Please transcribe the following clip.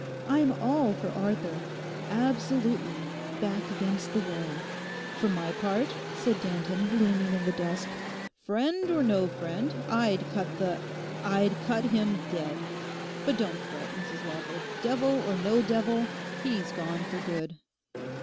I'm all for Arthur—absolutely—back against the wall.' 'For my part,' said Danton, looming in the dusk, 'friend or no friend, I'd cut the—I'd cut him dead. But don't fret, Mrs Lawford, devil or no devil, he's gone for good.